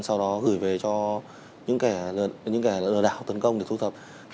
sau đó gửi về cho những kẻ lừa đảo tấn công để thu thập